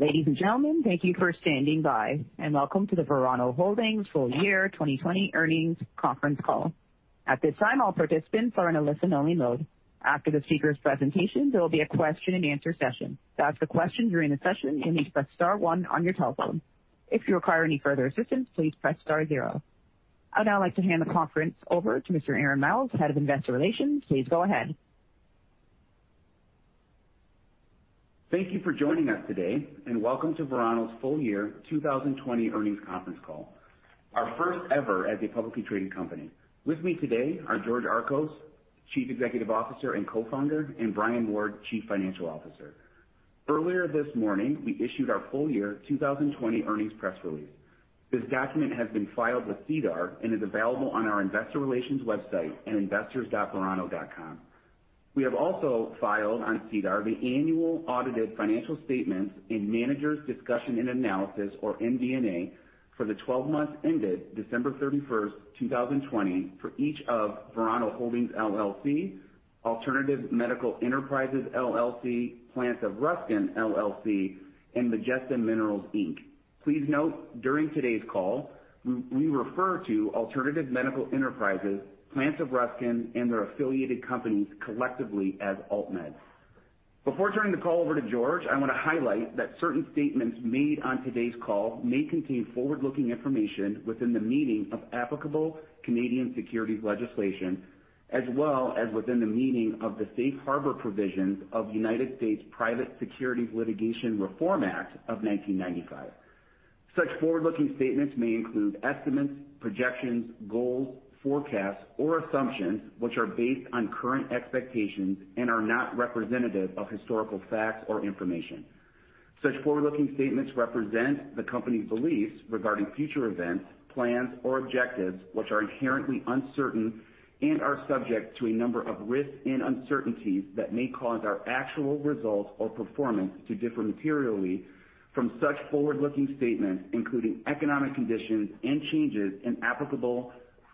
Ladies and gentlemen, thank you for standing by, and welcome to the Verano Holdings Full Year 2020 Earnings Conference Call. At this time, all participants are in a listen-only mode. After the speaker's presentation, there will be a question-and-answer session. To ask a question during the session, you'll need to press star one on your telephone. If you require any further assistance, please press star zero. I'd now like to hand the conference over to Mr. Aaron Miles, Head of Investor Relations. Please go ahead. Thank you for joining us today, and welcome to Verano's Full Year 2020 Earnings Conference Call, our first ever as a publicly traded company. With me today are George Archos, Chief Executive Officer and Co-founder, and Brian Ward, Chief Financial Officer. Earlier this morning, we issued our Full Year 2020 Earnings Press Release. This document has been filed with SEDAR and is available on our Investor Relations website at investors.verano.com. We have also filed on SEDAR the Annual Audited Financial Statements and Management's Discussion and Analysis, or MD&A, for the 12 months ended December 31, 2020, for each of Verano Holdings LLC, Alternative Medical Enterprises LLC, Plants of Ruskin LLC, and Majestic Minerals Inc. Please note, during today's call, we refer to Alternative Medical Enterprises, Plants of Ruskin, and their affiliated companies collectively as AltMed. Before turning the call over to George, I want to highlight that certain statements made on today's call may contain forward-looking information within the meaning of applicable Canadian securities legislation, as well as within the meaning of the Safe Harbor Provisions of the United States Private Securities Litigation Reform Act of 1995. Such forward-looking statements may include estimates, projections, goals, forecasts, or assumptions which are based on current expectations and are not representative of historical facts or information. Such forward-looking statements represent the company's beliefs regarding future events, plans, or objectives which are inherently uncertain and are subject to a number of risks and uncertainties that may cause our actual results or performance to differ materially from such forward-looking statements, including economic conditions and changes in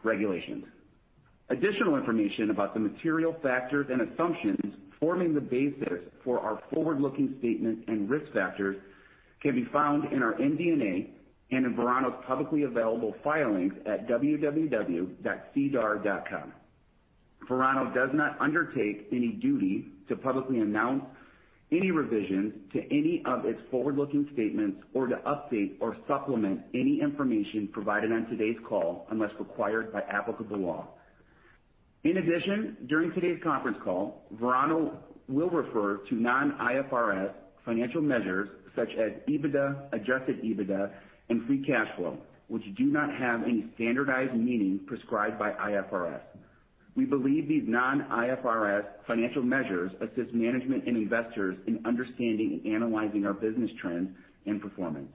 applicable regulations. Additional information about the material factors and assumptions forming the basis for our forward-looking statements and risk factors can be found in our MD&A and in Verano's publicly available filings at www.sedar.com. Verano does not undertake any duty to publicly announce any revisions to any of its forward-looking statements or to update or supplement any information provided on today's call unless required by applicable law. In addition, during today's conference call, Verano will refer to non-IFRS financial measures such as EBITDA, adjusted EBITDA, and free cash flow, which do not have any standardized meaning prescribed by IFRS. We believe these non-IFRS financial measures assist management and investors in understanding and analyzing our business trends and performance.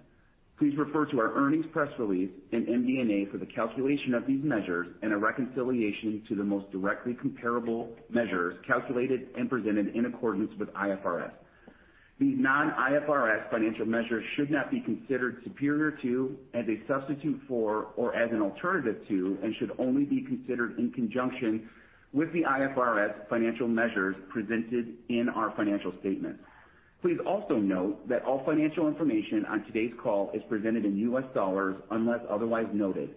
Please refer to our earnings press release and MD&A for the calculation of these measures and a reconciliation to the most directly comparable measures calculated and presented in accordance with IFRS. These non-IFRS financial measures should not be considered superior to, as a substitute for, or as an alternative to, and should only be considered in conjunction with the IFRS financial measures presented in our financial statements. Please also note that all financial information on today's call is presented in U.S. dollars unless otherwise noted.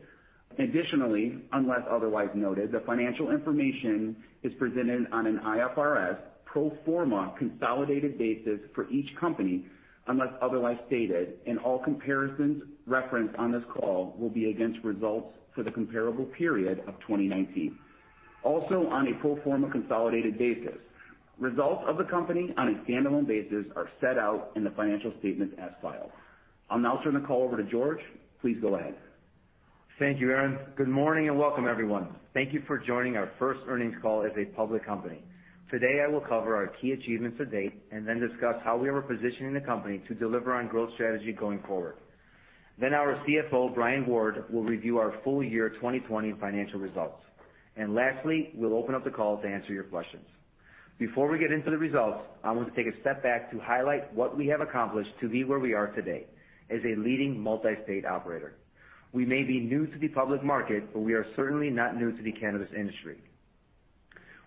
Additionally, unless otherwise noted, the financial information is presented on an IFRS pro forma consolidated basis for each company unless otherwise stated, and all comparisons referenced on this call will be against results for the comparable period of 2019, also on a pro forma consolidated basis. Results of the company on a standalone basis are set out in the financial statements as filed. I'll now turn the call over to George. Please go ahead. Thank you, Aaron. Good morning and welcome, everyone. Thank you for joining our first earnings call as a public company. Today, I will cover our key achievements to date and then discuss how we are positioning the company to deliver on growth strategy going forward. Then our CFO, Brian Ward, will review our Full Year 2020 Financial Results. And lastly, we'll open up the call to answer your questions. Before we get into the results, I want to take a step back to highlight what we have accomplished to be where we are today as a leading multi-state operator. We may be new to the public market, but we are certainly not new to the cannabis industry.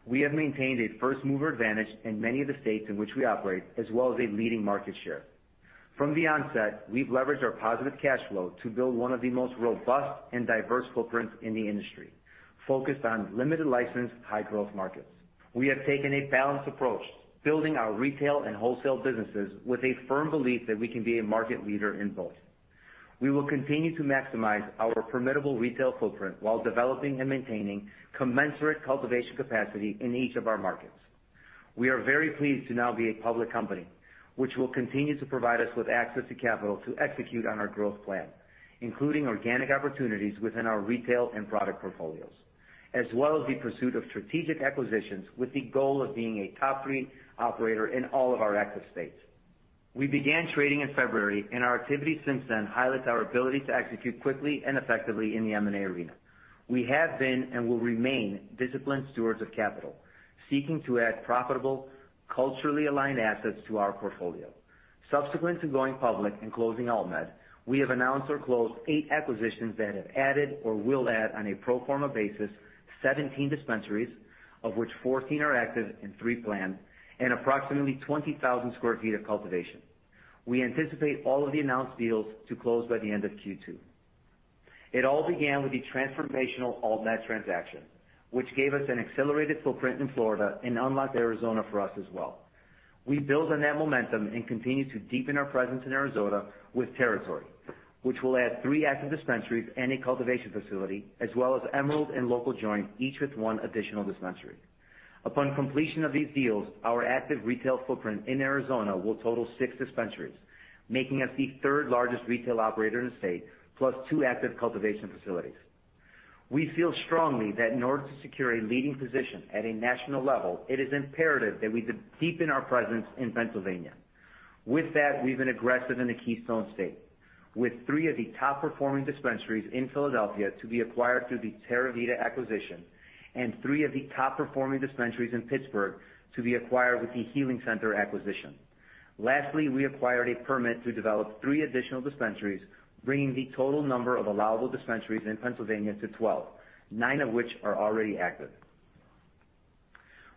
We have maintained a first-mover advantage in many of the states in which we operate, as well as a leading market share. From the onset, we've leveraged our positive cash flow to build one of the most robust and diverse footprints in the industry, focused on limited license, high-growth markets. We have taken a balanced approach, building our retail and wholesale businesses with a firm belief that we can be a market leader in both. We will continue to maximize our formidable retail footprint while developing and maintaining commensurate cultivation capacity in each of our markets. We are very pleased to now be a public company, which will continue to provide us with access to capital to execute on our growth plan, including organic opportunities within our retail and product portfolios, as well as the pursuit of strategic acquisitions with the goal of being a top-rated operator in all of our active states. We began trading in February, and our activity since then highlights our ability to execute quickly and effectively in the M&A arena. We have been and will remain disciplined stewards of capital, seeking to add profitable, culturally aligned assets to our portfolio. Subsequent to going public and closing AltMed, we have announced or closed eight acquisitions that have added or will add on a pro forma basis 17 dispensaries, of which 14 are active and 3 planned, and approximately 20,000 sq ft of cultivation. We anticipate all of the announced deals to close by the end of Q2. It all began with the transformational AltMed transaction, which gave us an accelerated footprint in Florida and unlocked Arizona for us as well. We build on that momentum and continue to deepen our presence in Arizona with Territory, which will add three active dispensaries and a cultivation facility, as well as Emerald and Local Joint, each with one additional dispensary. Upon completion of these deals, our active retail footprint in Arizona will total six dispensaries, making us the third-largest retail operator in the state, plus two active cultivation facilities. We feel strongly that in order to secure a leading position at a national level, it is imperative that we deepen our presence in Pennsylvania. With that, we've been aggressive in the Keystone State, with three of the top-performing dispensaries in Philadelphia to be acquired through the TerraVida acquisition and three of the top-performing dispensaries in Pittsburgh to be acquired with the Healing Center acquisition. Lastly, we acquired a permit to develop three additional dispensaries, bringing the total number of allowable dispensaries in Pennsylvania to 12, nine of which are already active.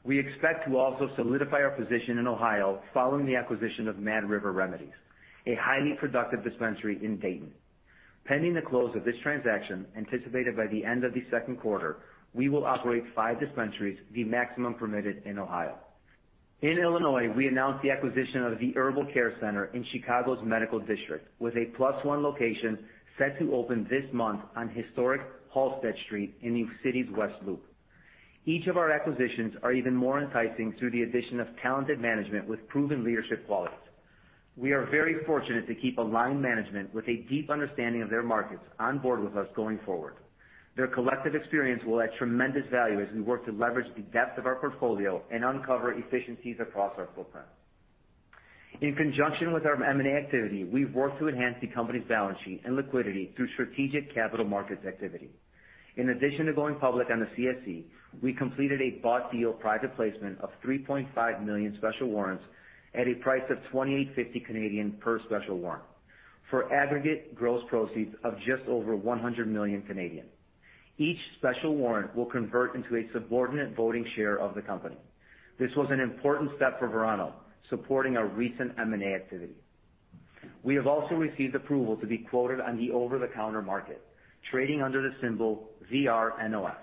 We expect to also solidify our position in Ohio following the acquisition of Mad River Remedies, a highly productive dispensary in Dayton. Pending the close of this transaction, anticipated by the end of the second quarter, we will operate five dispensaries, the maximum permitted in Ohio. In Illinois, we announced the acquisition of the Herbal Care Center in Chicago's Medical District, with a plus-one location set to open this month on historic Halsted Street in the city's West Loop. Each of our acquisitions is even more enticing through the addition of talented management with proven leadership qualities. We are very fortunate to keep aligned management with a deep understanding of their markets on board with us going forward. Their collective experience will add tremendous value as we work to leverage the depth of our portfolio and uncover efficiencies across our footprint. In conjunction with our M&A activity, we've worked to enhance the company's balance sheet and liquidity through strategic capital markets activity. In addition to going public on the CSE, we completed a bought deal private placement of 3.5 million special warrants at a price of 28.50 Canadian dollars per special warrant for aggregate gross proceeds of just over 100 million Canadian dollars. Each special warrant will convert into a subordinate voting share of the company. This was an important step for Verano, supporting our recent M&A activity. We have also received approval to be quoted on the over-the-counter market, trading under the symbol VRNOF,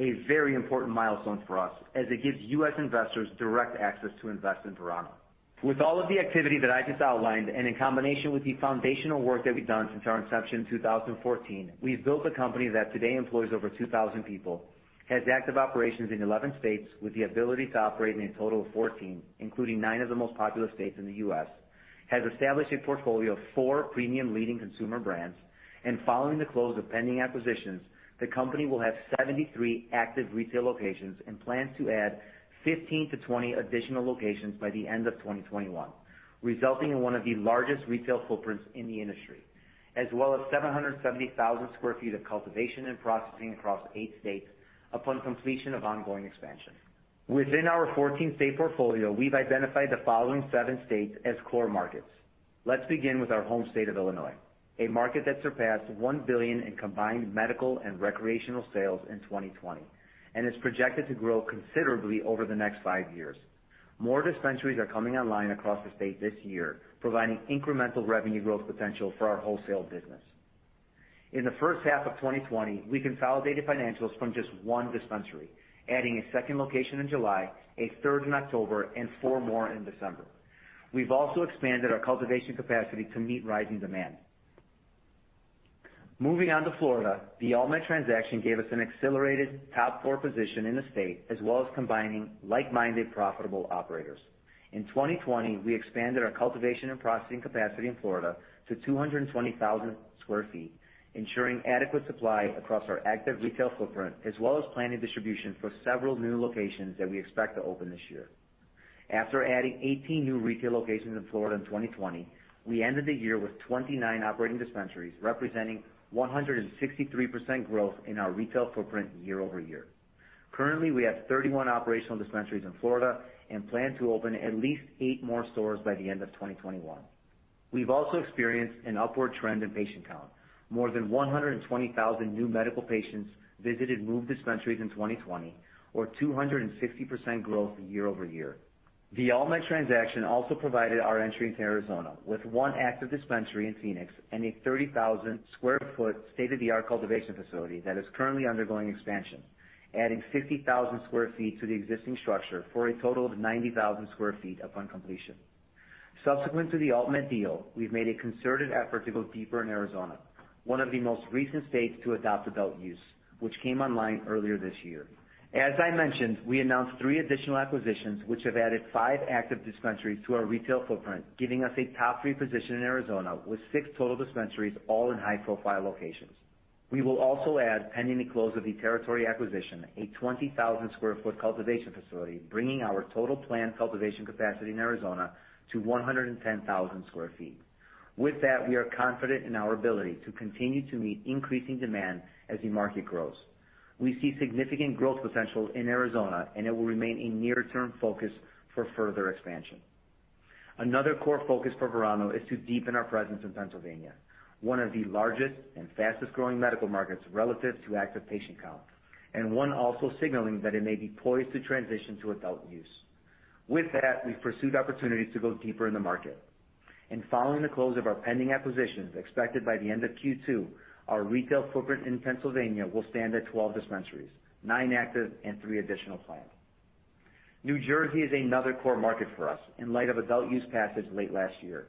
a very important milestone for us as it gives U.S. investors direct access to invest in Verano. With all of the activity that I just outlined and in combination with the foundational work that we've done since our inception in 2014, we've built a company that today employs over 2,000 people, has active operations in 11 states with the ability to operate in a total of 14, including nine of the most popular states in the U.S., has established a portfolio of four premium leading consumer brands, and following the close of pending acquisitions, the company will have 73 active retail locations and plans to add 15-20 additional locations by the end of 2021, resulting in one of the largest retail footprints in the industry, as well as 770,000 sq ft of cultivation and processing across eight states upon completion of ongoing expansion. Within our 14-state portfolio, we've identified the following seven states as core markets. Let's begin with our home state of Illinois, a market that surpassed $1 billion in combined medical and recreational sales in 2020 and is projected to grow considerably over the next five years. More dispensaries are coming online across the state this year, providing incremental revenue growth potential for our wholesale business. In the first half of 2020, we consolidated financials from just one dispensary, adding a second location in July, a third in October, and four more in December. We've also expanded our cultivation capacity to meet rising demand. Moving on to Florida, the AltMed transaction gave us an accelerated top-four position in the state, as well as combining like-minded profitable operators. In 2020, we expanded our cultivation and processing capacity in Florida to 220,000 sq ft, ensuring adequate supply across our active retail footprint, as well as planning distribution for several new locations that we expect to open this year. After adding 18 new retail locations in Florida in 2020, we ended the year with 29 operating dispensaries, representing 163% growth in our retail footprint year over year. Currently, we have 31 operational dispensaries in Florida and plan to open at least eight more stores by the end of 2021. We've also experienced an upward trend in patient count. More than 120,000 new medical patients visited MÜV dispensaries in 2020, or 260% growth year over year. The AltMed transaction also provided our entry into Arizona with one active dispensary in Phoenix and a 30,000-sq-ft state-of-the-art cultivation facility that is currently undergoing expansion, adding 60,000 sq ft to the existing structure for a total of 90,000 sq ft upon completion. Subsequent to the AltMed deal, we've made a concerted effort to go deeper in Arizona, one of the most recent states to adopt adult use, which came online earlier this year. As I mentioned, we announced three additional acquisitions, which have added five active dispensaries to our retail footprint, giving us a top-three position in Arizona with six total dispensaries, all in high-profile locations. We will also add, pending the close of the Territory acquisition, a 20,000-sq-ft cultivation facility, bringing our total planned cultivation capacity in Arizona to 110,000 sq ft. With that, we are confident in our ability to continue to meet increasing demand as the market grows. We see significant growth potential in Arizona, and it will remain a near-term focus for further expansion. Another core focus for Verano is to deepen our presence in Pennsylvania, one of the largest and fastest-growing medical markets relative to active patient count, and one also signaling that it may be poised to transition to adult use. With that, we've pursued opportunities to go deeper in the market, and following the close of our pending acquisitions expected by the end of Q2, our retail footprint in Pennsylvania will stand at 12 dispensaries, nine active and three additional planned. New Jersey is another core market for us in light of adult use passage late last year.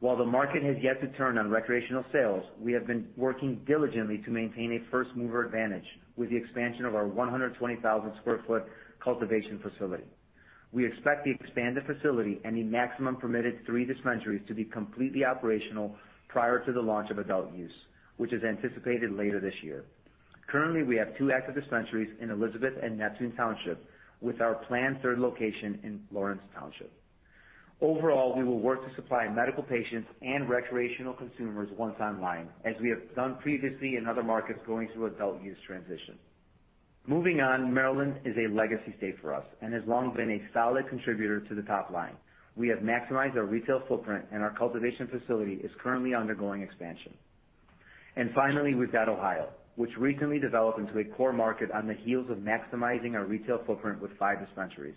While the market has yet to turn on recreational sales, we have been working diligently to maintain a first-mover advantage with the expansion of our 120,000 sq ft cultivation facility. We expect the expanded facility and the maximum permitted three dispensaries to be completely operational prior to the launch of adult use, which is anticipated later this year. Currently, we have two active dispensaries in Elizabeth and Neptune Township, with our planned third location in Florence Township. Overall, we will work to supply medical patients and recreational consumers once online, as we have done previously in other markets going through adult use transition. Moving on, Maryland is a legacy state for us and has long been a solid contributor to the top line. We have maximized our retail footprint, and our cultivation facility is currently undergoing expansion. And finally, we've got Ohio, which recently developed into a core market on the heels of maximizing our retail footprint with five dispensaries,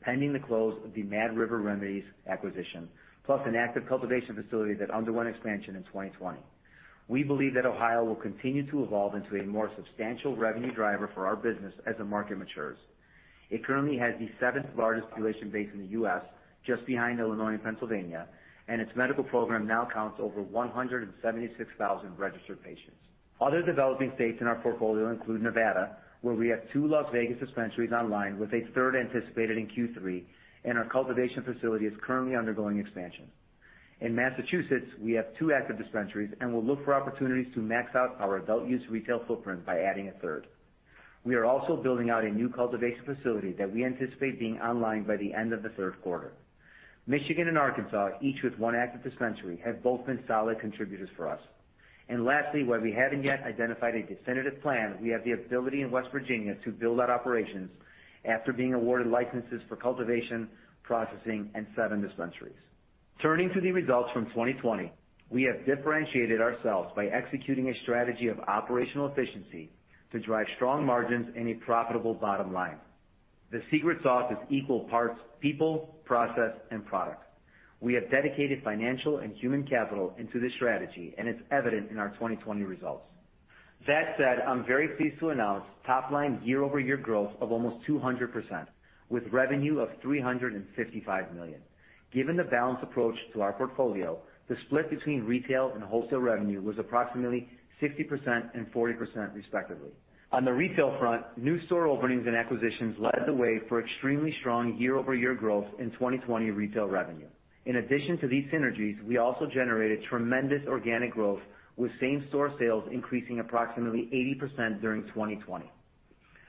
pending the close of the Mad River Remedies acquisition, plus an active cultivation facility that underwent expansion in 2020. We believe that Ohio will continue to evolve into a more substantial revenue driver for our business as the market matures. It currently has the seventh-largest population base in the U.S., just behind Illinois and Pennsylvania, and its medical program now counts over 176,000 registered patients. Other developing states in our portfolio include Nevada, where we have two Las Vegas dispensaries online with a third anticipated in Q3, and our cultivation facility is currently undergoing expansion. In Massachusetts, we have two active dispensaries and will look for opportunities to max out our adult use retail footprint by adding a third. We are also building out a new cultivation facility that we anticipate being online by the end of the third quarter. Michigan and Arkansas, each with one active dispensary, have both been solid contributors for us. And lastly, while we haven't yet identified a definitive plan, we have the ability in West Virginia to build out operations after being awarded licenses for cultivation, processing, and seven dispensaries. Turning to the results from 2020, we have differentiated ourselves by executing a strategy of operational efficiency to drive strong margins and a profitable bottom line. The secret sauce is equal parts people, process, and product. We have dedicated financial and human capital into this strategy, and it's evident in our 2020 results. That said, I'm very pleased to announce top-line year-over-year growth of almost 200%, with revenue of $355 million. Given the balanced approach to our portfolio, the split between retail and wholesale revenue was approximately 60% and 40%, respectively. On the retail front, new store openings and acquisitions led the way for extremely strong year-over-year growth in 2020 retail revenue. In addition to these synergies, we also generated tremendous organic growth, with same-store sales increasing approximately 80% during 2020.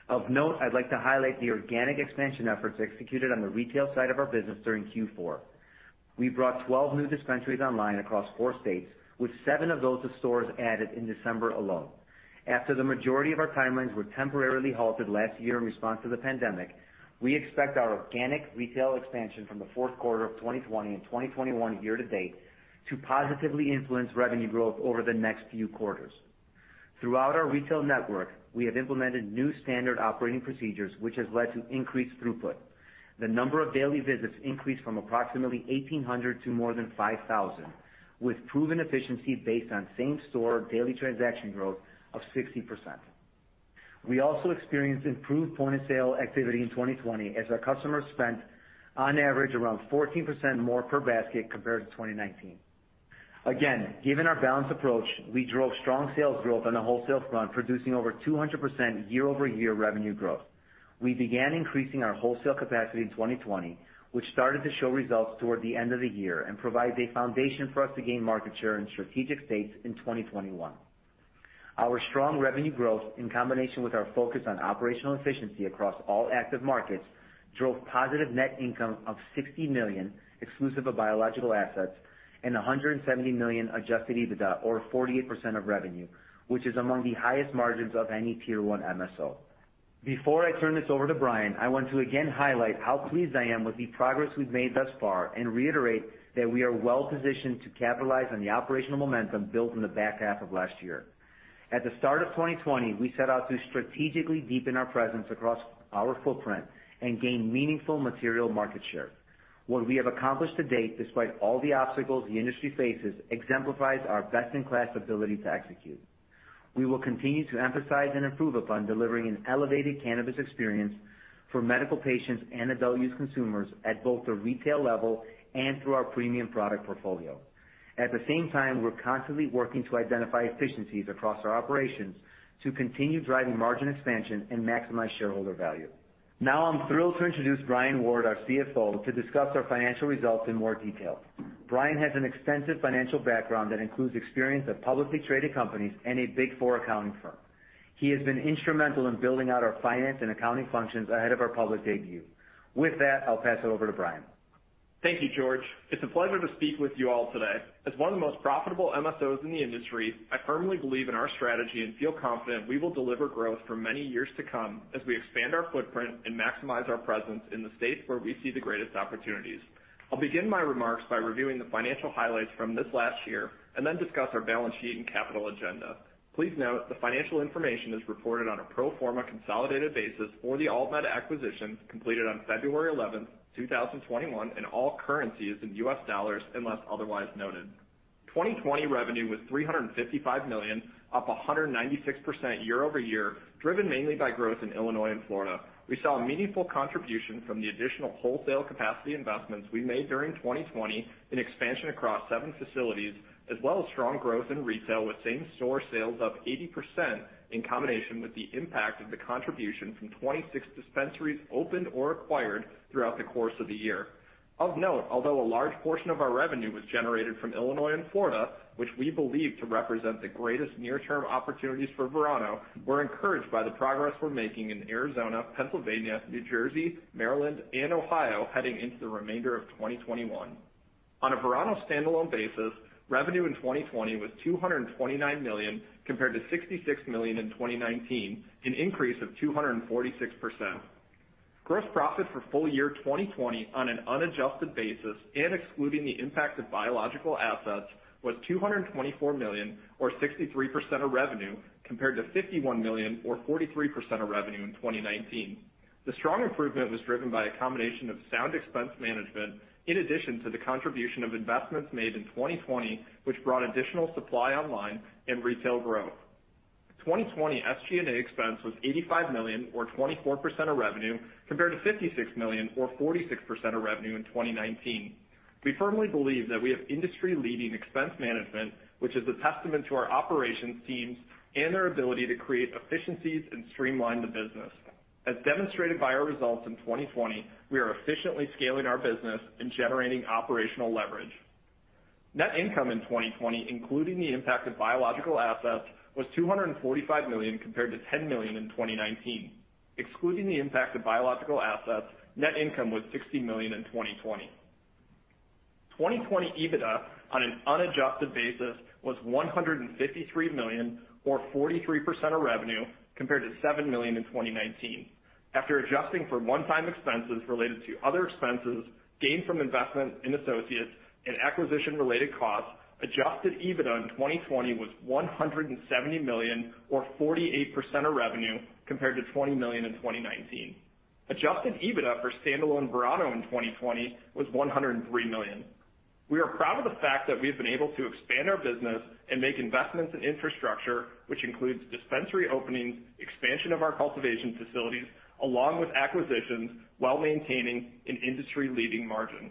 Of note, I'd like to highlight the organic expansion efforts executed on the retail side of our business during Q4. We brought 12 new dispensaries online across four states, with seven of those stores added in December alone. After the majority of our timelines were temporarily halted last year in response to the pandemic, we expect our organic retail expansion from the fourth quarter of 2020 and 2021 year to date to positively influence revenue growth over the next few quarters. Throughout our retail network, we have implemented new standard operating procedures, which has led to increased throughput. The number of daily visits increased from approximately 1,800 to more than 5,000, with proven efficiency based on same-store daily transaction growth of 60%. We also experienced improved point-of-sale activity in 2020, as our customers spent, on average, around 14% more per basket compared to 2019. Again, given our balanced approach, we drove strong sales growth on the wholesale front, producing over 200% year-over-year revenue growth. We began increasing our wholesale capacity in 2020, which started to show results toward the end of the year and provide a foundation for us to gain market share in strategic states in 2021. Our strong revenue growth, in combination with our focus on operational efficiency across all active markets, drove positive net income of $60 million exclusive of biological assets and $170 million adjusted EBITDA, or 48% of revenue, which is among the highest margins of any tier-one MSO. Before I turn this over to Brian, I want to again highlight how pleased I am with the progress we've made thus far and reiterate that we are well-positioned to capitalize on the operational momentum built in the back half of last year. At the start of 2020, we set out to strategically deepen our presence across our footprint and gain meaningful material market share. What we have accomplished to date, despite all the obstacles the industry faces, exemplifies our best-in-class ability to execute. We will continue to emphasize and improve upon delivering an elevated cannabis experience for medical patients and adult use consumers at both the retail level and through our premium product portfolio. At the same time, we're constantly working to identify efficiencies across our operations to continue driving margin expansion and maximize shareholder value. Now, I'm thrilled to introduce Brian Ward, our CFO, to discuss our financial results in more detail. Brian has an extensive financial background that includes experience at publicly traded companies and a Big Four accounting firm. He has been instrumental in building out our finance and accounting functions ahead of our public debut. With that, I'll pass it over to Brian. Thank you, George. It's a pleasure to speak with you all today. As one of the most profitable MSOs in the industry, I firmly believe in our strategy and feel confident we will deliver growth for many years to come as we expand our footprint and maximize our presence in the states where we see the greatest opportunities. I'll begin my remarks by reviewing the financial highlights from this last year and then discuss our balance sheet and capital agenda. Please note the financial information is reported on a pro forma consolidated basis for the AltMed acquisition completed on February 11, 2021, in all currencies in U.S. dollars unless otherwise noted. 2020 revenue was $355 million, up 196% year-over-year, driven mainly by growth in Illinois and Florida. We saw a meaningful contribution from the additional wholesale capacity investments we made during 2020 in expansion across seven facilities, as well as strong growth in retail with same-store sales up 80% in combination with the impact of the contribution from 26 dispensaries opened or acquired throughout the course of the year. Of note, although a large portion of our revenue was generated from Illinois and Florida, which we believe to represent the greatest near-term opportunities for Verano, we're encouraged by the progress we're making in Arizona, Pennsylvania, New Jersey, Maryland, and Ohio heading into the remainder of 2021. On a Verano standalone basis, revenue in 2020 was $229 million compared to $66 million in 2019, an increase of 246%. Gross profit for full year 2020 on an unadjusted basis, and excluding the impact of biological assets, was $224 million, or 63% of revenue, compared to $51 million, or 43% of revenue in 2019. The strong improvement was driven by a combination of sound expense management, in addition to the contribution of investments made in 2020, which brought additional supply online and retail growth. 2020 SG&A expense was $85 million, or 24% of revenue, compared to $56 million, or 46% of revenue in 2019. We firmly believe that we have industry-leading expense management, which is a testament to our operations teams and their ability to create efficiencies and streamline the business. As demonstrated by our results in 2020, we are efficiently scaling our business and generating operational leverage. Net income in 2020, including the impact of biological assets, was $245 million compared to $10 million in 2019. Excluding the impact of biological assets, net income was $60 million in 2020. 2020 EBITDA, on an unadjusted basis, was $153 million, or 43% of revenue, compared to $7 million in 2019. After adjusting for one-time expenses related to other expenses, gain from investment and associates, and acquisition-related costs, adjusted EBITDA in 2020 was $170 million, or 48% of revenue, compared to $20 million in 2019. Adjusted EBITDA for standalone Verano in 2020 was $103 million. We are proud of the fact that we have been able to expand our business and make investments in infrastructure, which includes dispensary openings, expansion of our cultivation facilities, along with acquisitions, while maintaining an industry-leading margin.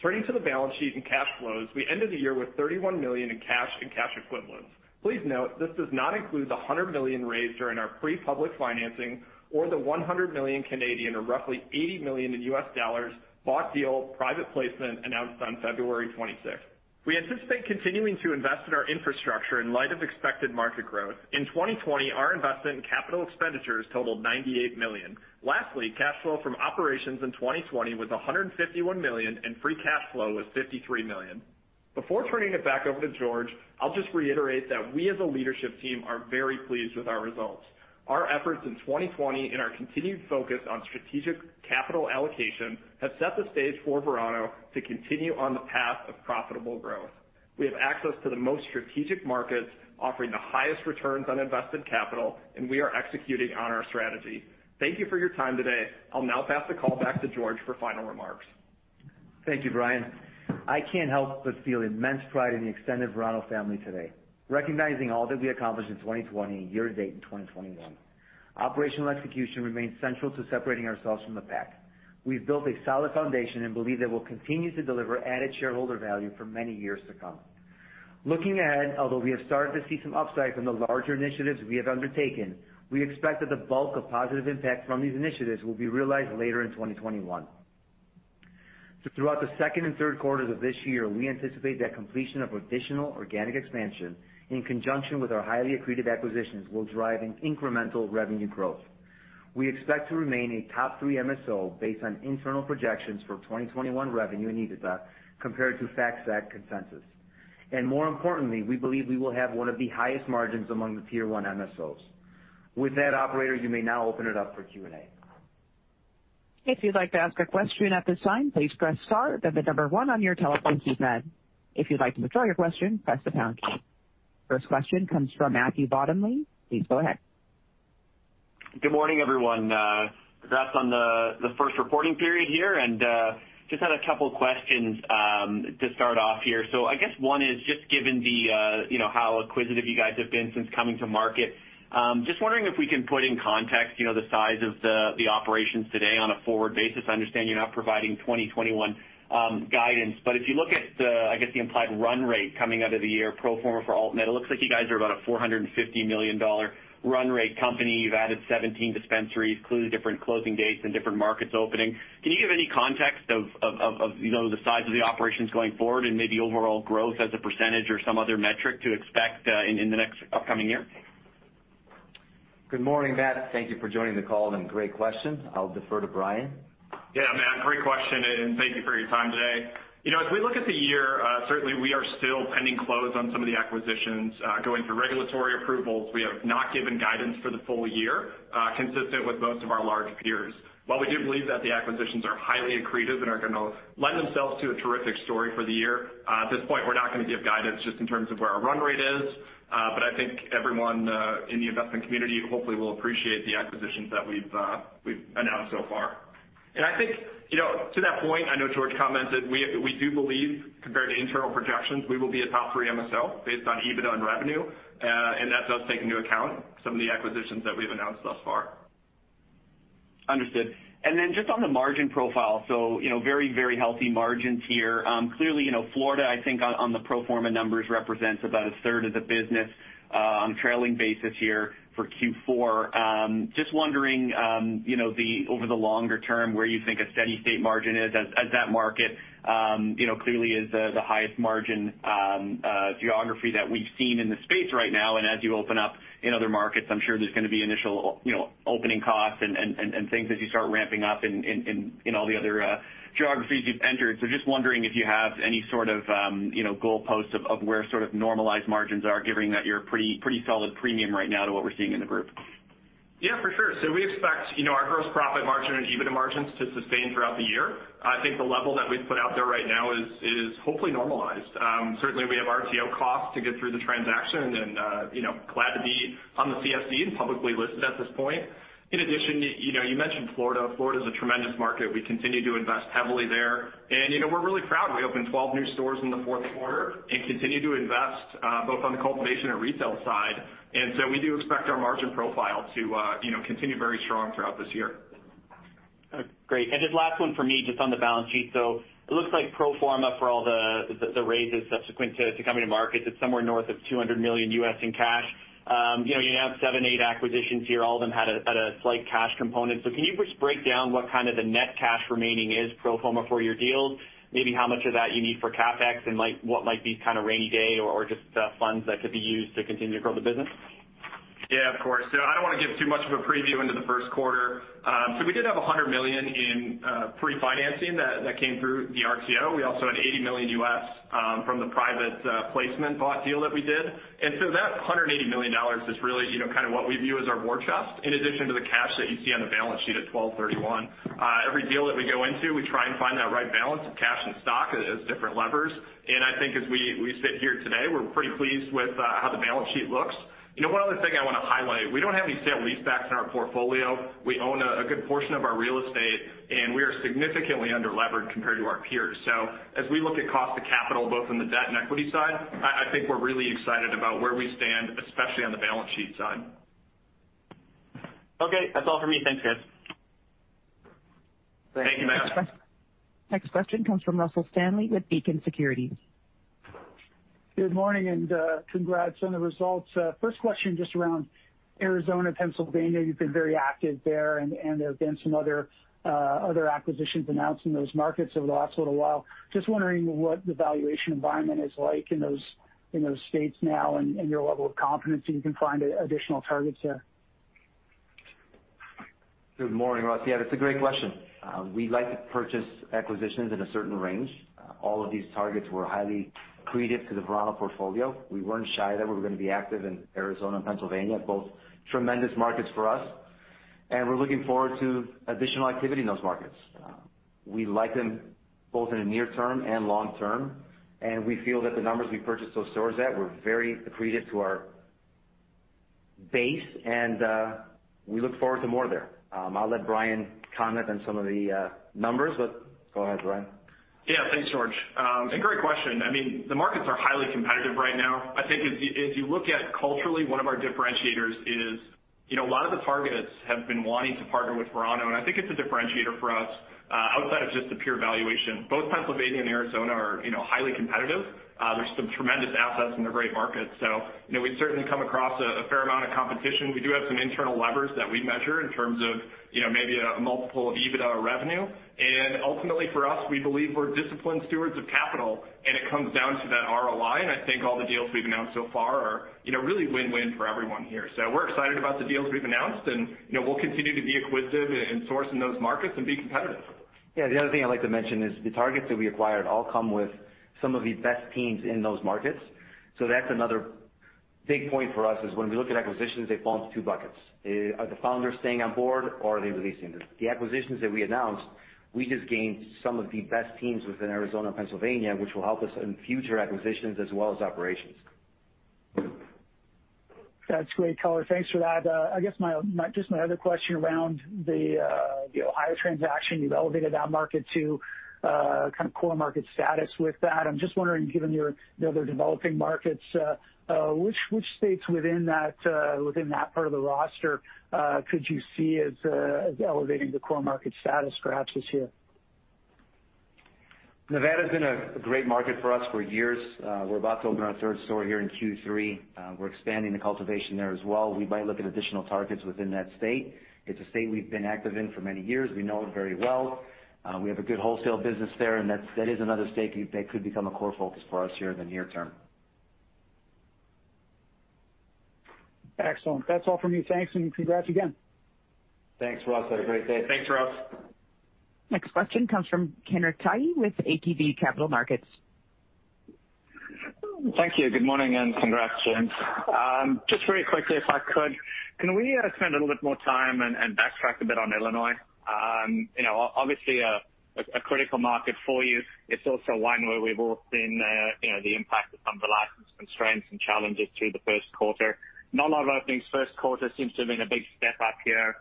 Turning to the balance sheet and cash flows, we ended the year with $31 million in cash and cash equivalents. Please note this does not include the $100 million raised during our pre-public financing or the 100 million Canadian dollars, or roughly $80 million, bought deal private placement announced on February 26. We anticipate continuing to invest in our infrastructure in light of expected market growth. In 2020, our investment in capital expenditures totaled $98 million. Lastly, cash flow from operations in 2020 was $151 million, and free cash flow was $53 million. Before turning it back over to George, I'll just reiterate that we, as a leadership team, are very pleased with our results. Our efforts in 2020 and our continued focus on strategic capital allocation have set the stage for Verano to continue on the path of profitable growth. We have access to the most strategic markets, offering the highest returns on invested capital, and we are executing on our strategy. Thank you for your time today. I'll now pass the call back to George for final remarks. Thank you, Brian. I can't help but feel immense pride in the extended Verano family today, recognizing all that we accomplished in 2020, year to date, and 2021. Operational execution remains central to separating ourselves from the pack. We've built a solid foundation and believe that we'll continue to deliver added shareholder value for many years to come. Looking ahead, although we have started to see some upside from the larger initiatives we have undertaken, we expect that the bulk of positive impact from these initiatives will be realized later in 2021. Throughout the second and third quarters of this year, we anticipate that completion of additional organic expansion, in conjunction with our highly accretive acquisitions, will drive incremental revenue growth. We expect to remain a top-three MSO based on internal projections for 2021 revenue and EBITDA compared to FactSet consensus. And more importantly, we believe we will have one of the highest margins among the tier-one MSOs. With that, operator, you may now open it up for Q&A. If you'd like to ask a question at this time, please press star and then the number one on your telephone keypad. If you'd like to withdraw your question, press the pound key. First question comes from Matthew Bottomley. Please go ahead. Good morning, everyone. Congrats on the first reporting period here. And just had a couple of questions to start off here. So I guess one is just given how acquisitive you guys have been since coming to market, just wondering if we can put in context the size of the operations today on a forward basis. I understand you're not providing 2021 guidance. But if you look at, I guess, the implied run rate coming out of the year pro forma for AltMed, it looks like you guys are about a $450 million run rate company. You've added 17 dispensaries, including different closing dates and different markets opening. Can you give any context of the size of the operations going forward and maybe overall growth as a percentage or some other metric to expect in the next upcoming year? Good morning, Matt. Thank you for joining the call and great question. I'll defer to Brian. Yeah, Matt. Great question. And thank you for your time today. As we look at the year, certainly we are still pending close on some of the acquisitions going through regulatory approvals. We have not given guidance for the full year, consistent with most of our large peers. While we do believe that the acquisitions are highly accretive and are going to lend themselves to a terrific story for the year, at this point, we're not going to give guidance just in terms of where our run rate is, but I think everyone in the investment community hopefully will appreciate the acquisitions that we've announced so far. And I think to that point, I know George commented, we do believe, compared to internal projections, we will be a top-three MSO based on EBITDA and revenue, and that does take into account some of the acquisitions that we've announced thus far. Understood. And then just on the margin profile, so very, very healthy margins here. Clearly, Florida, I think, on the pro forma numbers represents about a third of the business on a trailing basis here for Q4. Just wondering, over the longer term, where you think a steady-state margin is, as that market clearly is the highest margin geography that we've seen in the space right now. And as you open up in other markets, I'm sure there's going to be initial opening costs and things as you start ramping up in all the other geographies you've entered. So just wondering if you have any sort of goalposts of where sort of normalized margins are, given that you're a pretty solid premium right now to what we're seeing in the group. Yeah, for sure. So we expect our gross profit margin and EBITDA margins to sustain throughout the year. I think the level that we've put out there right now is hopefully normalized. Certainly, we have RTO costs to get through the transaction and glad to be on the CSE and publicly listed at this point. In addition, you mentioned Florida. Florida is a tremendous market. We continue to invest heavily there, and we're really proud. We opened 12 new stores in the fourth quarter and continue to invest both on the cultivation and retail side, and so we do expect our margin profile to continue very strong throughout this year. Great. And just last one for me, just on the balance sheet. So it looks like pro forma for all the raises subsequent to coming to market, it's somewhere north of $200 million in cash. You have seven, eight acquisitions here. All of them had a slight cash component. So can you just break down what kind of the net cash remaining is pro forma for your deals? Maybe how much of that you need for CapEx and what might be kind of rainy day or just funds that could be used to continue to grow the business? Yeah, of course. So I don't want to give too much of a preview into the first quarter. So we did have $100 million in pre-financing that came through the RTO. We also had $80 million from the private placement bought deal that we did. And so that $180 million is really kind of what we view as our war chest, in addition to the cash that you see on the balance sheet at 1231. Every deal that we go into, we try and find that right balance of cash and stock as different levers. And I think as we sit here today, we're pretty pleased with how the balance sheet looks. One other thing I want to highlight, we don't have any sale-leasebacks in our portfolio. We own a good portion of our real estate, and we are significantly under-levered compared to our peers. So as we look at cost of capital, both on the debt and equity side, I think we're really excited about where we stand, especially on the balance sheet side. Okay. That's all for me. Thanks, guys. Thank you, Matt. Next question comes from Russell Stanley with Beacon Securities. Good morning and congrats on the results. First question just around Arizona, Pennsylvania. You've been very active there, and there have been some other acquisitions announced in those markets over the last little while. Just wondering what the valuation environment is like in those states now and your level of confidence that you can find additional targets there. Good morning, Russ. Yeah, that's a great question. We like to purchase acquisitions in a certain range. All of these targets were highly accretive to the Verano portfolio. We weren't shy that we were going to be active in Arizona and Pennsylvania, both tremendous markets for us, and we're looking forward to additional activity in those markets. We like them both in the near term and long term, and we feel that the numbers we purchased those stores at were very accretive to our base, and we look forward to more there. I'll let Brian comment on some of the numbers, but go ahead, Brian. Yeah, thanks, George, and great question. I mean, the markets are highly competitive right now. I think as you look at it qualitatively, one of our differentiators is a lot of the targets have been wanting to partner with Verano, and I think it's a differentiator for us outside of just the pure valuation. Both Pennsylvania and Arizona are highly competitive. There's some tremendous assets in the great markets. So we've certainly come across a fair amount of competition. We do have some internal levers that we measure in terms of maybe a multiple of EBITDA or revenue. And ultimately, for us, we believe we're disciplined stewards of capital, and it comes down to that ROI. And I think all the deals we've announced so far are really win-win for everyone here. So we're excited about the deals we've announced, and we'll continue to be acquisitive and source in those markets and be competitive. Yeah, the other thing I'd like to mention is the targets that we acquired all come with some of the best teams in those markets. So that's another big point for us is when we look at acquisitions, they fall into two buckets. Are the founders staying on board, or are they releasing them? The acquisitions that we announced, we just gained some of the best teams within Arizona and Pennsylvania, which will help us in future acquisitions as well as operations. That's great, caller. Thanks for that. I guess just my other question around the Ohio transaction, you've elevated that market to kind of core market status with that. I'm just wondering, given the other developing markets, which states within that part of the roster could you see as elevating the core market status perhaps this year? Nevada has been a great market for us for years. We're about to open our third store here in Q3. We're expanding the cultivation there as well. We might look at additional targets within that state. It's a state we've been active in for many years. We know it very well. We have a good wholesale business there, and that is another state that could become a core focus for us here in the near term. Excellent. That's all from me. Thanks, and congrats again. Thanks, Russ. Have a great day. Thanks, Russ. Next question comes from Kenric Tye with ATB Capital Markets. Thank you. Good morning and congrats, George. Just very quickly, if I could, can we spend a little bit more time and backtrack a bit on Illinois? Obviously, a critical market for you. It's also one where we've all seen the impact of some of the license constraints and challenges through the first quarter. Not a lot of openings. First quarter seems to have been a big step up here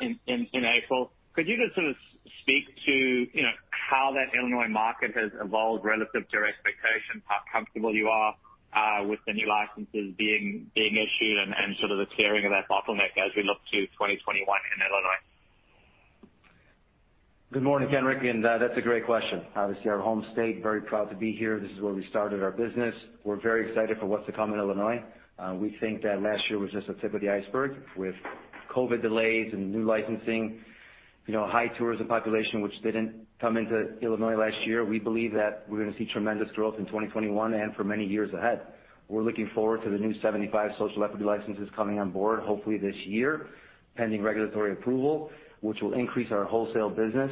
in April. Could you just sort of speak to how that Illinois market has evolved relative to your expectations, how comfortable you are with the new licenses being issued and sort of the clearing of that bottleneck as we look to 2021 in Illinois? Good morning, Ken. And that's a great question. Obviously, our home state, very proud to be here. This is where we started our business. We're very excited for what's to come in Illinois. We think that last year was just the tip of the iceberg with COVID delays and new licensing, high tourism population, which didn't come into Illinois last year. We believe that we're going to see tremendous growth in 2021 and for many years ahead. We're looking forward to the new 75 social equity licenses coming on board, hopefully this year, pending regulatory approval, which will increase our wholesale business.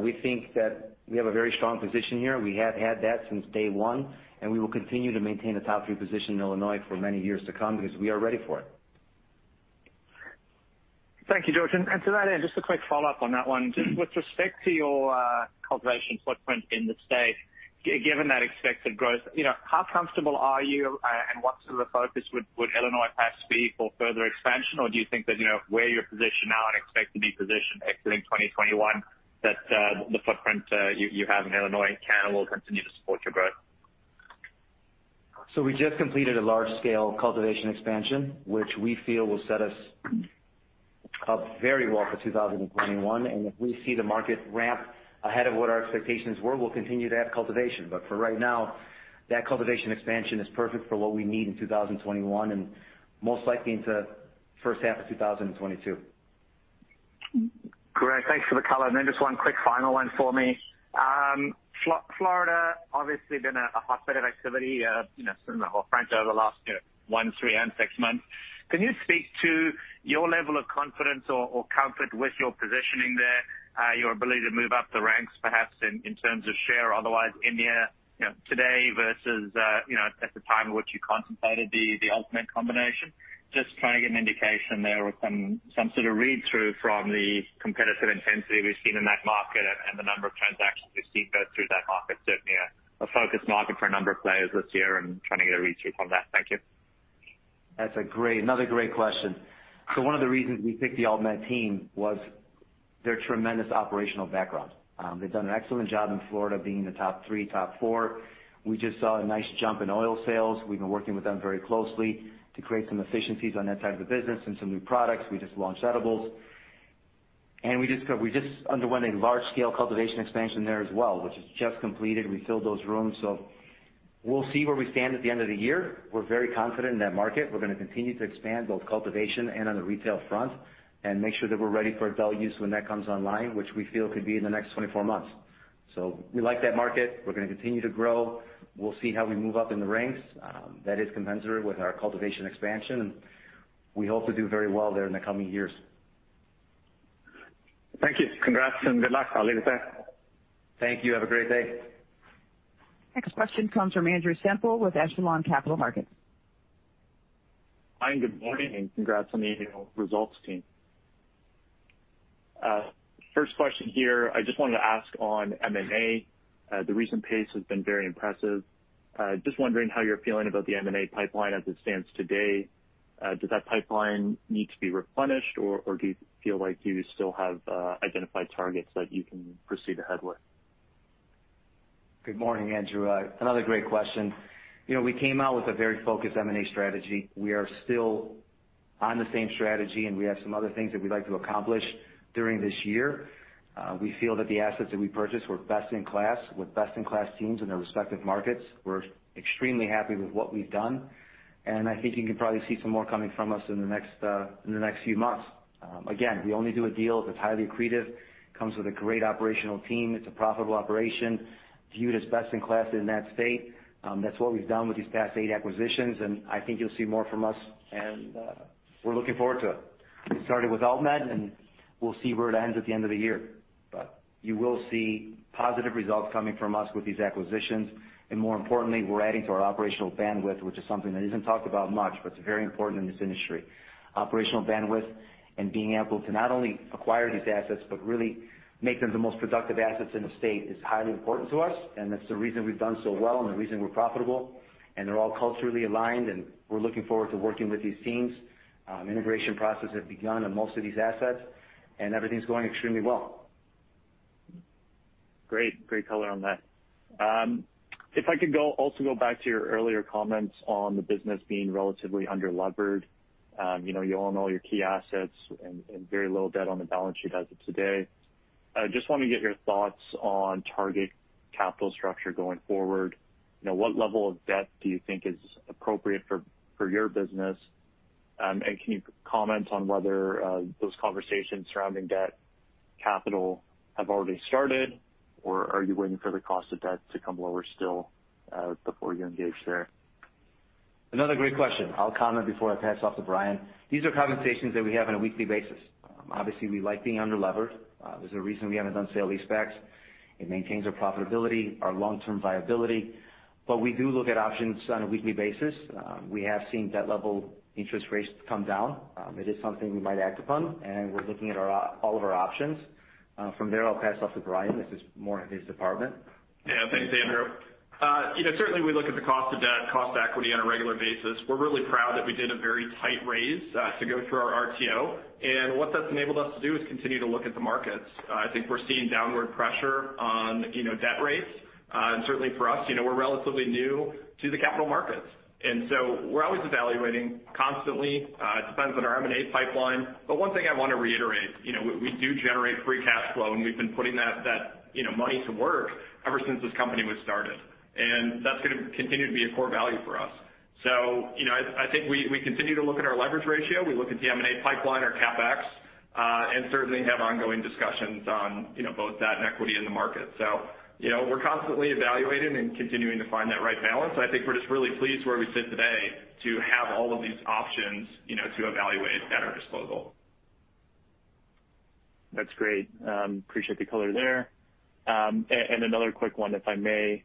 We think that we have a very strong position here. We have had that since day one, and we will continue to maintain a top-three position in Illinois for many years to come because we are ready for it. Thank you, George. To that end, just a quick follow-up on that one. Just with respect to your cultivation footprint in the state, given that expected growth, how comfortable are you and what sort of a focus would Illinois perhaps be for further expansion, or do you think that where you're positioned now and expect to be positioned exiting 2021, that the footprint you have in Illinois can and will continue to support your growth? We just completed a large-scale cultivation expansion, which we feel will set us up very well for 2021. And if we see the market ramp ahead of what our expectations were, we'll continue to have cultivation. But for right now, that cultivation expansion is perfect for what we need in 2021 and most likely into the first half of 2022. Correct. Thanks for the color. And then just one quick final one for me. Florida, obviously, been a hotbed of activity since the whole franchise over the last one, three, and six months. Can you speak to your level of confidence or comfort with your positioning there, your ability to move up the ranks perhaps in terms of share otherwise in there today versus at the time at which you contemplated the ultimate combination? Just trying to get an indication there with some sort of read-through from the competitive intensity we've seen in that market and the number of transactions we've seen go through that market. Certainly, a focused market for a number of players this year and trying to get a read-through from that. Thank you. That's another great question. So one of the reasons we picked the AltMed team was their tremendous operational background. They've done an excellent job in Florida being in the top three, top four. We just saw a nice jump in oil sales. We've been working with them very closely to create some efficiencies on that type of business and some new products. We just launched edibles, and we just underwent a large-scale cultivation expansion there as well, which is just completed. We filled those rooms. So we'll see where we stand at the end of the year. We're very confident in that market. We're going to continue to expand both cultivation and on the retail front and make sure that we're ready for adult use when that comes online, which we feel could be in the next 24 months. So we like that market. We're going to continue to grow. We'll see how we move up in the ranks. That is compensatory with our cultivation expansion. And we hope to do very well there in the coming years. Thank you. Congrats and good luck. I'll leave it there. Thank you. Have a great day. Next question comes from Andrew Semple with Echelon Capital Markets. Hi, and good morning. And congrats on the results team. First question here. I just wanted to ask on M&A. The recent pace has been very impressive. Just wondering how you're feeling about the M&A pipeline as it stands today. Does that pipeline need to be replenished, or do you feel like you still have identified targets that you can proceed ahead with? Good morning, Andrew. Another great question. We came out with a very focused M&A strategy. We are still on the same strategy, and we have some other things that we'd like to accomplish during this year. We feel that the assets that we purchased were best in class with best-in-class teams in their respective markets. We're extremely happy with what we've done. And I think you can probably see some more coming from us in the next few months. Again, we only do a deal that's highly accretive. It comes with a great operational team. It's a profitable operation viewed as best in class in that state. That's what we've done with these past eight acquisitions. And I think you'll see more from us. And we're looking forward to it. We started with AltMed, and we'll see where it ends at the end of the year. But you will see positive results coming from us with these acquisitions. And more importantly, we're adding to our operational bandwidth, which is something that isn't talked about much, but it's very important in this industry. Operational bandwidth and being able to not only acquire these assets, but really make them the most productive assets in the state is highly important to us. And that's the reason we've done so well and the reason we're profitable. And they're all culturally aligned, and we're looking forward to working with these teams. Integration processes have begun on most of these assets, and everything's going extremely well. Great. Great color on that. If I could also go back to your earlier comments on the business being relatively under-levered. You own all your key assets and very little debt on the balance sheet as of today. I just want to get your thoughts on target capital structure going forward. What level of debt do you think is appropriate for your business? And can you comment on whether those conversations surrounding debt capital have already started, or are you waiting for the cost of debt to come lower still before you engage there? Another great question. I'll comment before I pass off to Brian. These are conversations that we have on a weekly basis. Obviously, we like being under-levered. There's a reason we haven't done sale-leasebacks. It maintains our profitability, our long-term viability. But we do look at options on a weekly basis. We have seen debt-level interest rates come down. It is something we might act upon, and we're looking at all of our options. From there, I'll pass off to Brian. This is more of his department. Yeah, thanks, Andrew. Certainly, we look at the cost of debt, cost of equity on a regular basis. We're really proud that we did a very tight raise to go through our RTO, and what that's enabled us to do is continue to look at the markets. I think we're seeing downward pressure on debt rates. Certainly, for us, we're relatively new to the capital markets, and so we're always evaluating constantly. It depends on our M&A pipeline, but one thing I want to reiterate: we do generate free cash flow, and we've been putting that money to work ever since this company was started, and that's going to continue to be a core value for us, so I think we continue to look at our leverage ratio. We look at the M&A pipeline, our CapEx, and certainly have ongoing discussions on both that and equity in the market. So we're constantly evaluating and continuing to find that right balance. I think we're just really pleased where we sit today to have all of these options to evaluate at our disposal. That's great. Appreciate the color there, and another quick one, if I may.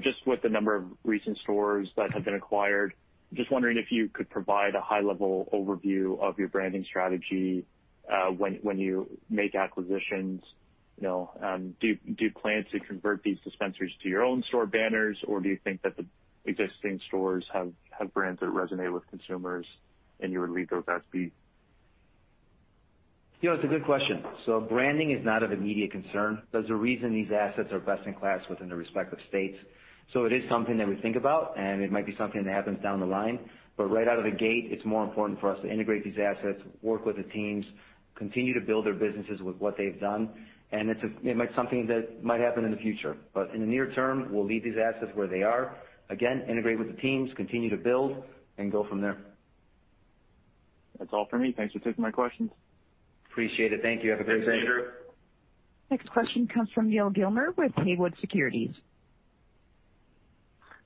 Just with the number of recent stores that have been acquired, just wondering if you could provide a high-level overview of your branding strategy when you make acquisitions. Do you plan to convert these dispensaries to your own store banners, or do you think that the existing stores have brands that resonate with consumers, and you would leave those as is? It's a good question, so branding is not of immediate concern. There's a reason these assets are best in class within their respective states. So it is something that we think about, and it might be something that happens down the line. But right out of the gate, it's more important for us to integrate these assets, work with the teams, continue to build their businesses with what they've done. And it might be something that might happen in the future. But in the near term, we'll leave these assets where they are. Again, integrate with the teams, continue to build, and go from there. That's all for me. Thanks for taking my questions. Appreciate it. Thank you. Have a great day. Thanks, Andrew. Next question comes from Neil Gilmer with Haywood Securities.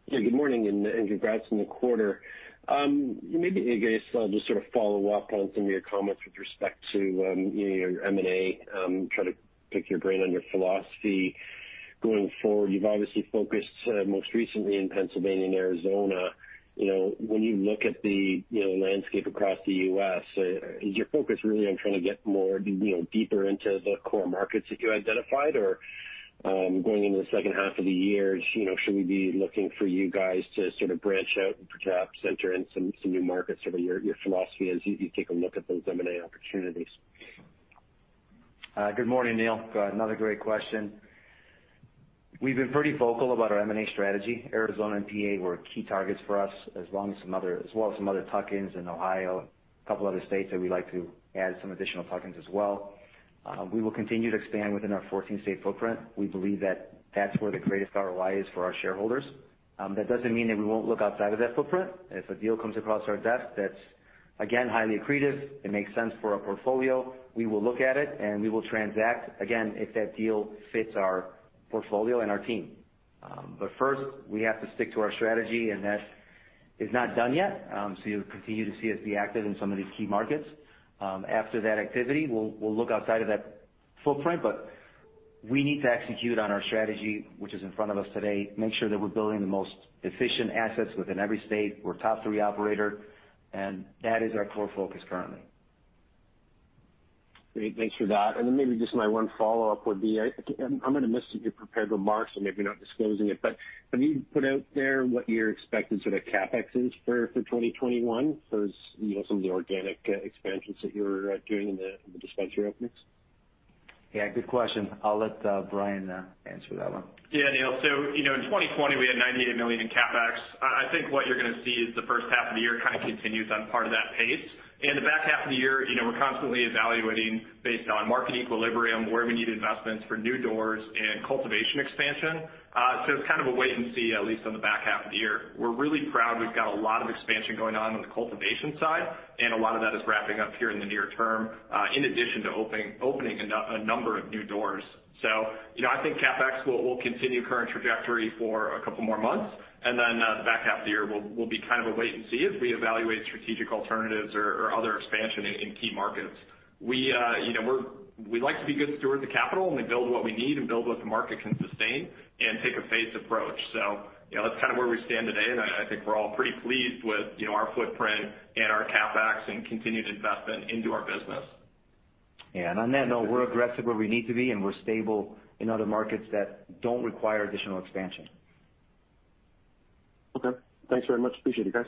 Yeah, good morning and congrats on the quarter. Maybe I guess I'll just sort of follow up on some of your comments with respect to your M&A. Try to pick your brain on your philosophy going forward. You've obviously focused most recently in Pennsylvania and Arizona. When you look at the landscape across the U.S., is your focus really on trying to get more deeper into the core markets that you identified, or going into the second half of the year, should we be looking for you guys to sort of branch out and perhaps enter into some new markets? Sort of your philosophy as you take a look at those M&A opportunities. Good morning, Neil. Another great question. We've been pretty vocal about our M&A strategy. Arizona and PA were key targets for us, as well as some other tuck-ins and Ohio, a couple of other states that we'd like to add some additional tuck-ins as well. We will continue to expand within our 14-state footprint. We believe that that's where the greatest ROI is for our shareholders. That doesn't mean that we won't look outside of that footprint. If a deal comes across our desk that's, again, highly accretive, it makes sense for our portfolio, we will look at it, and we will transact, again, if that deal fits our portfolio and our team. But first, we have to stick to our strategy, and that is not done yet. So you'll continue to see us be active in some of these key markets. After that activity, we'll look outside of that footprint, but we need to execute on our strategy, which is in front of us today, make sure that we're building the most efficient assets within every state. We're a top-three operator, and that is our core focus currently. Great. Thanks for that. And then maybe just my one follow-up would be. I'm going to miss your prepared remarks, so maybe not disclosing it, but have you put out there what your expected sort of CapEx is for 2021? So some of the organic expansions that you're doing in the dispensary openings? Yeah, good question. I'll let Brian answer that one. Yeah, Neil. So in 2020, we had $98 million in CapEx. I think what you're going to see is the first half of the year kind of continues on part of that pace. In the back half of the year, we're constantly evaluating based on market equilibrium, where we need investments for new doors and cultivation expansion. So it's kind of a wait and see, at least on the back half of the year. We're really proud. We've got a lot of expansion going on the cultivation side, and a lot of that is wrapping up here in the near term, in addition to opening a number of new doors. So I think CapEx will continue current trajectory for a couple more months. And then the back half of the year, we'll be kind of a wait and see as we evaluate strategic alternatives or other expansion in key markets. We like to be good stewards of capital, and we build what we need and build what the market can sustain and take a phased approach. So that's kind of where we stand today, and I think we're all pretty pleased with our footprint and our CapEx and continued investment into our business. Yeah. And on that note, we're aggressive where we need to be, and we're stable in other markets that don't require additional expansion. Okay. Thanks very much. Appreciate it, guys.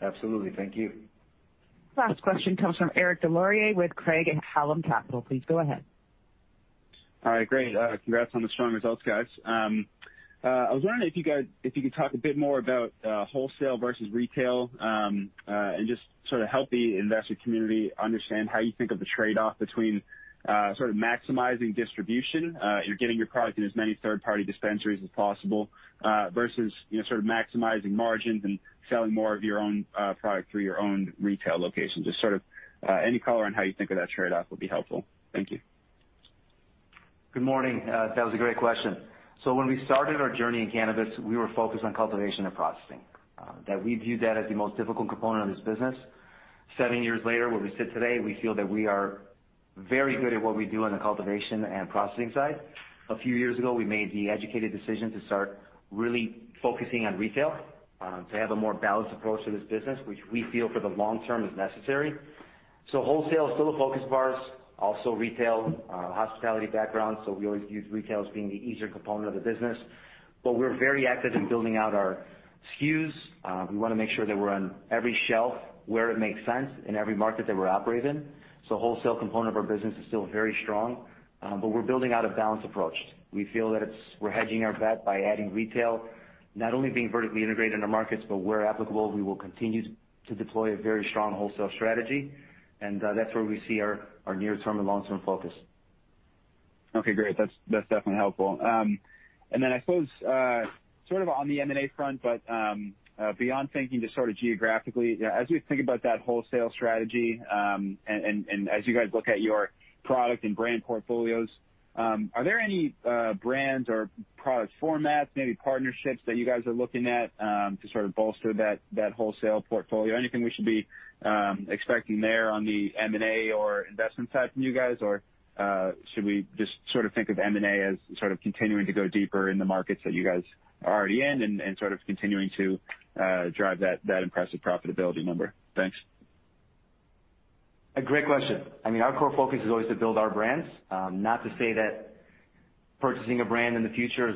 Absolutely. Thank you. Last question comes from Eric Des Lauriers with Craig-Hallum Capital Group. Please go ahead. All right. Great. Congrats on the strong results, guys. I was wondering if you could talk a bit more about wholesale versus retail and just sort of help the investor community understand how you think of the trade-off between sort of maximizing distribution, you're getting your product in as many third-party dispensaries as possible, versus sort of maximizing margins and selling more of your own product through your own retail location. Just sort of any color on how you think of that trade-off would be helpful. Thank you. Good morning. That was a great question. So when we started our journey in cannabis, we were focused on cultivation and processing. That we viewed that as the most difficult component of this business. Seven years later, where we sit today, we feel that we are very good at what we do on the cultivation and processing side. A few years ago, we made the educated decision to start really focusing on retail to have a more balanced approach to this business, which we feel for the long term is necessary. So wholesale, still a focus of ours. Also retail, hospitality background. So we always viewed retail as being the easier component of the business. But we're very active in building out our SKUs. We want to make sure that we're on every shelf where it makes sense in every market that we're operating in. So wholesale component of our business is still very strong, but we're building out a balanced approach. We feel that we're hedging our bet by adding retail, not only being vertically integrated in our markets, but where applicable, we will continue to deploy a very strong wholesale strategy. And that's where we see our near-term and long-term focus. Okay. Great. That's definitely helpful. And then I suppose sort of on the M&A front, but beyond thinking just sort of geographically, as we think about that wholesale strategy and as you guys look at your product and brand portfolios, are there any brands or product formats, maybe partnerships that you guys are looking at to sort of bolster that wholesale portfolio? Anything we should be expecting there on the M&A or investment side from you guys, or should we just sort of think of M&A as sort of continuing to go deeper in the markets that you guys are already in and sort of continuing to drive that impressive profitability number? Thanks. Great question. I mean, our core focus is always to build our brands. Not to say that purchasing a brand in the future,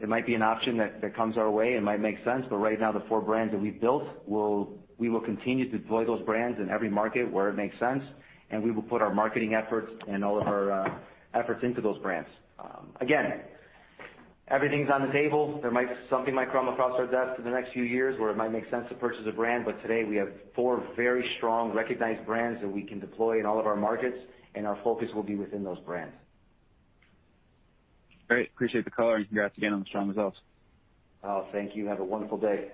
it might be an option that comes our way. It might make sense. But right now, the four brands that we've built, we will continue to deploy those brands in every market where it makes sense. And we will put our marketing efforts and all of our efforts into those brands. Again, everything's on the table. Something might come across our desk in the next few years where it might make sense to purchase a brand. But today, we have four very strong, recognized brands that we can deploy in all of our markets, and our focus will be within those brands. Great. Appreciate the color. And congrats again on the strong results. Oh, thank you. Have a wonderful day.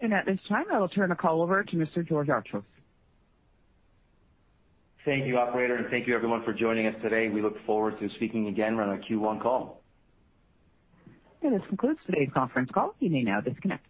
And at this time, I will turn the call over to Mr. George Archos. Thank you, Operator. And thank you, everyone, for joining us today. We look forward to speaking again on a Q1 call. And this concludes today's conference call. You may now disconnect.